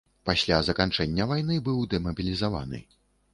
Пасля заканчэння вайны быў дэмабілізаваны.